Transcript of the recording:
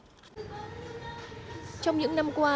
trong những năm qua